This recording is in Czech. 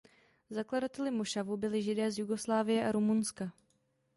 Zakladateli mošavu byli Židé z Jugoslávie a Rumunska.